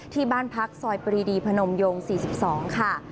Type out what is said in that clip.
ที่บ้านพักซอยปรีดีพนมยง๔๒ค่ะ